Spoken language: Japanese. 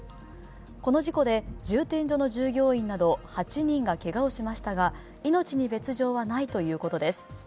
この事故で充填所の従業員など８人がけがをしましたが命に別状はないということです。